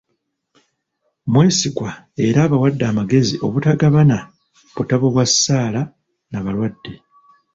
Mwesigwa era abawadde amagezi obutagabana butabo bwa ssaala nabalwadde.